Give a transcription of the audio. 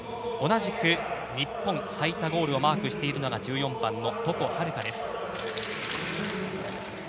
同じく日本最多ゴールをマークしているのが１４番の床秦留可です。